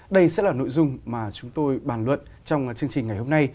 đây sẽ là nội dung mà chúng tôi bàn luận trong chương trình ngày hôm nay